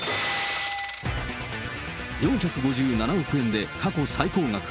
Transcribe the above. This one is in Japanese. ４５７億円で過去最高額。